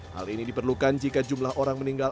hal ini diperlukan jika jumlah orang meninggal